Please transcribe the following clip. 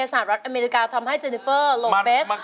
สหรัฐอเมริกาทำให้เจนิเฟอร์ลงเบส